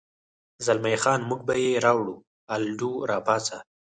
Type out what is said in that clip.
زلمی خان: موږ به یې راوړو، الډو، را پاڅه.